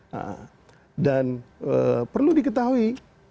nah dan perlu diketahui